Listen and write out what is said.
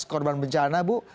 korban bencana bu